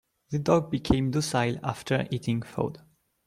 The dog became docile after eating food.